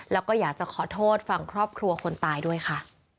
แล้วก็อยากจะขอโทษฝั่งครอบครัวคนตายด้วยค่ะ